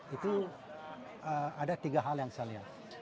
itu ada tiga hal yang saya lihat